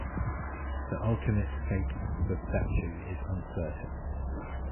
The ultimate fate of the statue is uncertain.